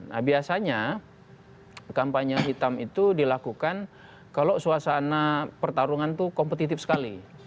nah biasanya kampanye hitam itu dilakukan kalau suasana pertarungan itu kompetitif sekali